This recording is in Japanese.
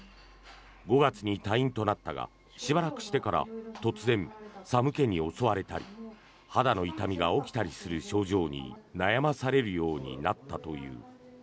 ５月に退院となったがしばらくしてから突然、寒気に襲われたり肌の痛みが起きたりする症状に悩まされるようになったという。